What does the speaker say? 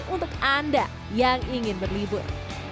untuk anda yang ingin berlibur